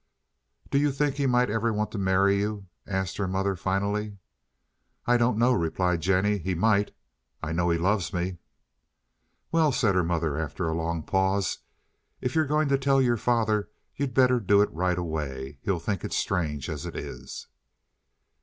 "Do you think he might ever want to marry you?" asked her mother finally. "I don't know," replied Jennie "he might. I know he loves me." "Well," said her mother after a long pause, "if you're going to tell your father you'd better do it right away. He'll think it's strange as it is."